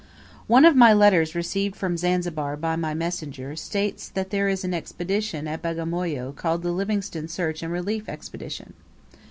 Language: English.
One of my letters received from Zanzibar by my messengers states that there is an expedition at Bagamoyo called the "Livingstone Search and Relief Expedition."